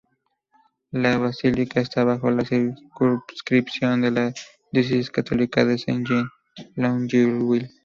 La basílica está bajo la circunscripción de la diócesis católica de Saint-Jean-Longueuil.